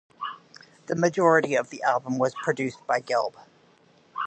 The majority of the album was produced by Gelb.